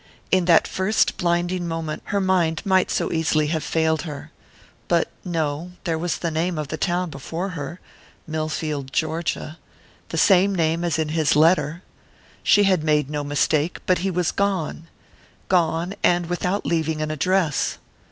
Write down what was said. In that first blinding moment her mind might so easily have failed her. But no there was the name of the town before her...Millfield, Georgia...the same name as in his letter.... She had made no mistake, but he was gone! Gone and without leaving an address....